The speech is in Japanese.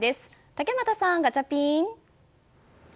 竹俣さん、ガチャピン！